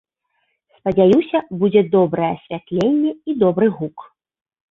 Спадзяюся, будзе добрае асвятленне і добры гук.